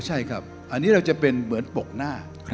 ใช่ครับอันนี้เราจะเป็นเหมือนปกหน้า